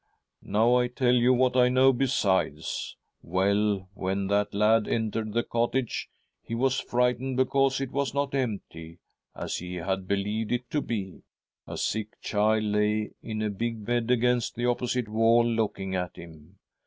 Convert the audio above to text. Now I'll tell you what I know besides. Well, when that lad entered the cottage, he was frightened because it was not empty, as he had believed it to be. A sick child lay in a big bed against the opposite wall looking at him.